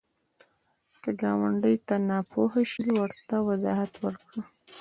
که ګاونډي ته ناپوهه شي، ورته وضاحت ورکړه